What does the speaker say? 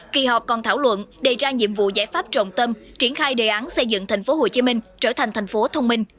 kỳ họp còn thảo luận đề ra nhiệm vụ giải pháp trọng tâm triển khai đề án xây dựng tp hcm trở thành thành phố thông minh